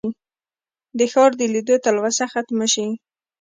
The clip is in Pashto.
د ښار د لیدو تلوسه ختمه شي.